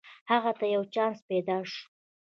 هغه ته یو چانس پیداشو